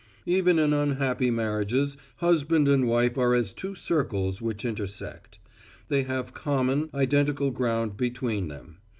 Even in unhappy marriages husband and wife are as two circles which intersect. They have common, identical ground between them.